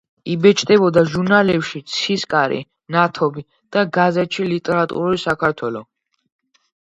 იბეჭდებოდა ჟურნალებში „ცისკარი“, „მნათობი“ და გაზეთში „ლიტერატურული საქართველო“.